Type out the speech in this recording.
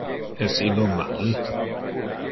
Es illo mal?